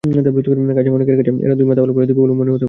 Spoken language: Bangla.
কাজেই অনেকের কাছে এরা দুই মাথাওয়ালা প্রজাপতি বলেও মনে হতে পারে।